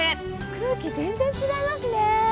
空気全然違いますね。